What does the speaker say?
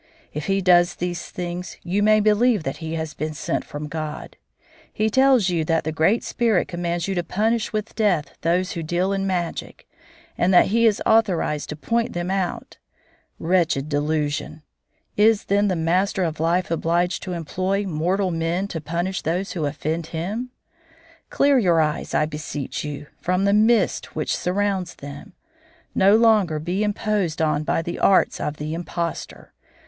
If he does these things you may believe that he has been sent from God. He tells you that the Great Spirit commands you to punish with death those who deal in magic, and that he is authorized to point them out. Wretched delusion! Is, then, the Master of Life obliged to employ mortal man to punish those who offend Him? Clear your eyes, I beseech you, from the mist which surrounds them. No longer be imposed on by the arts of the impostor.